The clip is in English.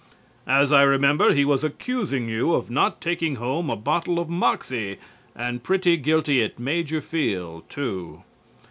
As I remember, he was accusing you of not taking home a bottle of Moxie, and pretty guilty it made you feel too.